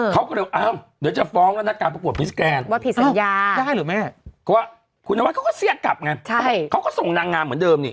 เขาก็เลยว่าเอ้าเดี๋ยวจะฟ้องละนักการปรากฏมิสแกแลนด์